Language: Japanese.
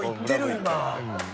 今。